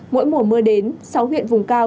mỗi mùa mưa đến sáu huyện vùng cao